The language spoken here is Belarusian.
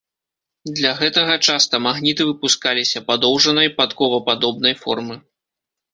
Для гэтага часта магніты выпускаліся падоўжанай, падковападобнай формы.